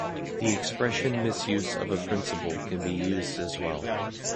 The expression misuse of a principle can be used as well.